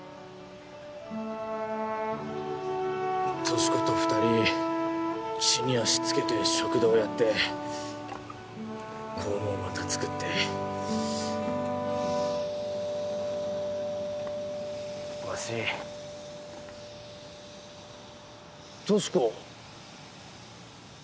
俊子と二人地に足つけて食堂やって子もまたつくってわし俊子？